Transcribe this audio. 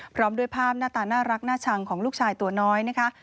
พร้อมด้วยภาพหน้าตาน่ารักน่าชังของลูกชายตัวน้อยนะคะ